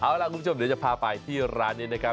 เอาล่ะเดินทางมาถึงในช่วงไฮไลท์ของตลอดกินในวันนี้แล้วนะครับ